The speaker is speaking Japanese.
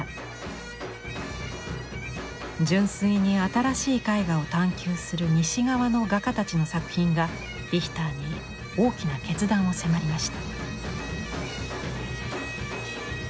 純粋に新しい絵画を探求する西側の画家たちの作品がリヒターに大きな決断を迫りました。